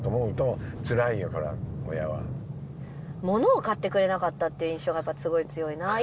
ものを買ってくれなかったって印象がすごい強いな。